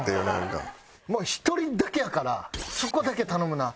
もう１人だけやからそこだけ頼むな。